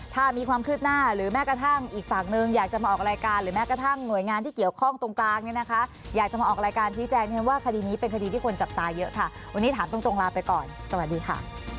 ถ้ามีความคืบหน้าหรือแม้กระทั่งอีกฝั่งหนึ่งอยากจะมาออกรายการหรือแม้กระทั่งหน่วยงานที่เกี่ยวข้องตรงกลางเนี่ยนะคะอยากจะมาออกรายการชี้แจงว่าคดีนี้เป็นคดีที่คนจับตาเยอะค่ะวันนี้ถามตรงลาไปก่อนสวัสดีค่ะ